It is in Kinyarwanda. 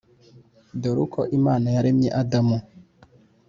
dore uko imana yaremye adamu.